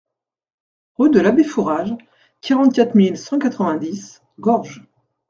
Rue de l'Abbé Fourage, quarante-quatre mille cent quatre-vingt-dix Gorges